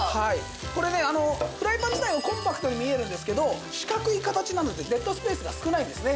これねフライパン自体はコンパクトに見えるんですけど四角い形なのでデッドスペースが少ないんですね。